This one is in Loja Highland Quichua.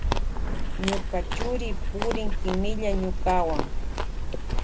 Ñuka churi purin kimilla ñukawan.